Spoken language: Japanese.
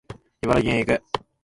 茨城県へ行く